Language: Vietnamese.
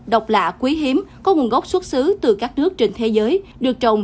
độc lạ quý hiếm có nguồn gốc xuất xứ từ các nước trên thế giới được trồng